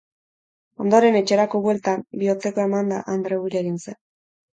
Ondoren, etxerako bueltan, bihotzekoa emanda Andreu hil egin zen.